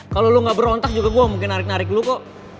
kalo lo gak berontak juga gue mau narik narik lo kok